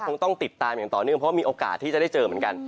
คงต้องติดตามอย่างต่อเนื่องเพราะว่ามีโอกาสที่จะได้เจอเหมือนกัน